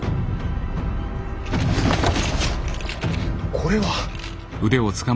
これは。